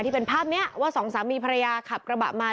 ที่เป็นภาพนี้ว่าสองสามีภรรยาขับกระบะมา